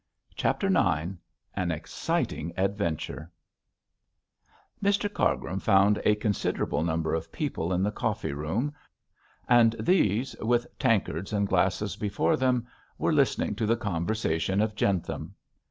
CHAPTER IX AN EXCITING ADVENTURE Mr Cargrim found a considerable number of people in the coffee room, and these, with tankards and glasses before them, were listening to the conversation of Jentham.